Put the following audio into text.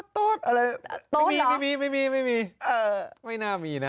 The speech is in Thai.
โต๊ดหรอไม่มีไม่น่ามีนะ